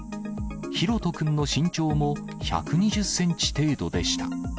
大翔君の身長も１２０センチ程度でした。